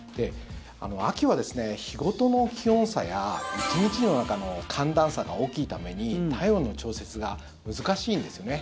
秋は日ごとの気温差や１日の中の寒暖差が大きいために体温の調節が難しいんですよね。